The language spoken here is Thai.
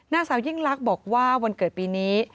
นางสาวยิ่งลักษณ์บอกว่าวันเกิดปีนี้